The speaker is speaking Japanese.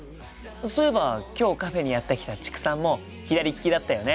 そういえば今日カフェにやって来た知久さんも左利きだったよね。